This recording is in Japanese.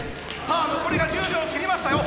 さあ残りが１０秒切りましたよ。